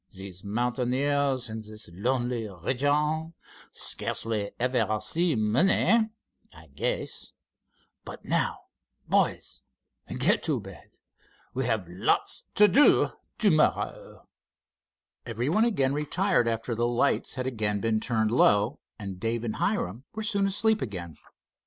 "These mountaineers, in this lonely region, scarcely ever see money, I guess. But now, boys, get to bed. We've got lots to do to morrow." Everyone again retired after the lights had again been turned low, and Dave and Hiram were soon asleep again.